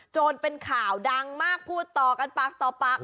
จนเป็นข่าวดังมากพูดต่อกันปากต่อปาก